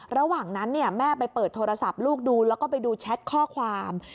ระหว่างนั้นแม่ไปเปิดโทรศัพท์ลูกดูแล้วก็ไปดูแชทข้อความ